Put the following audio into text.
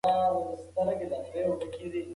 هغه ورته وویل چې دا څوک نه دی، بلکې دا سره زر دي.